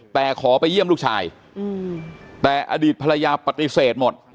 แต่ขอไปเยี่ยมลูกชายแต่อดีตภรรยาปฏิเสธหมด